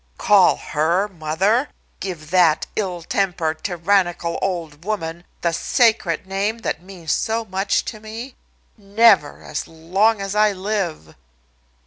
"Call her mother! Give that ill tempered, tyrannical old woman the sacred name that means so much to me. Never as long as I live!"